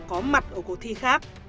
có mặt ở cuộc thi khác